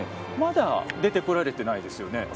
まだ出てこられてないですよね